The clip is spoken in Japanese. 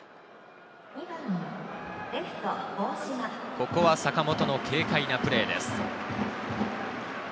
ここは坂本の軽快なプレーです。